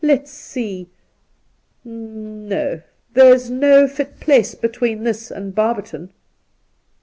Let's see ! No ; there's no fit place between this and Barberton.'